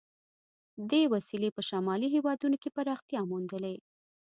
دې وسیلې په شمالي هېوادونو کې پراختیا موندلې.